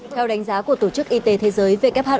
theo đánh giá của tổ chức y tế thế giới wh